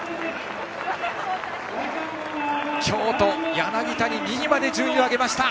京都、柳谷２位まで順位を上げました。